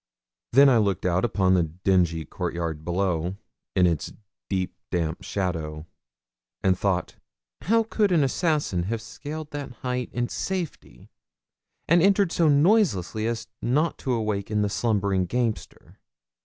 Then I looked out upon the dingy courtyard below, in its deep damp shadow, and thought, 'How could an assassin have scaled that height in safety, and entered so noiselessly as not to awaken the slumbering gamester?'